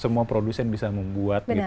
semua produsen bisa membuat